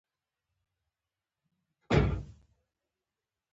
• د ورځې دعا د امید پیغام راوړي.